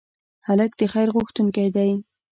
هلک د خیر غوښتونکی دی.